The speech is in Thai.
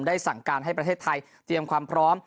สั่งการให้ประเทศไทยเตรียมความพร้อม